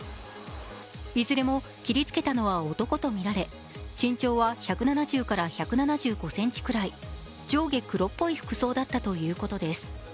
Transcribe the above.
いずれも切りつけたのは男とみられ身長は１７０１７５ｃｍくらい、上下黒っぽい服装だったということです。